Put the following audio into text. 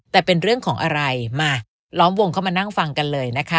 แต่เป็นเรื่องของอะไรมาล้อมวงเข้ามานั่งฟังกันเลยนะคะ